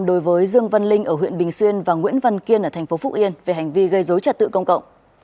đối với dương văn linh ở huyện bình xuyên và nguyễn văn kiên ở tp phúc yên về hành vi gây dối trật tự công cộng